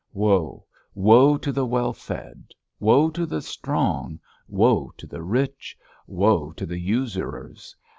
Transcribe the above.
Woe, woe to the well fed, woe to the strong, woe to the rich, woe to the usurers!